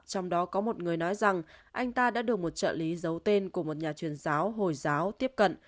trong đó có một người nói rằng anh ta đã được một trợ lý giấu tên của một nhà truyền giáo hồi giáo tiếp cận